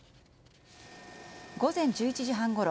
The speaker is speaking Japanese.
午前１１時半ごろ